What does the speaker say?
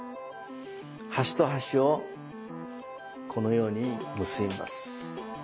端と端をこのように結びます。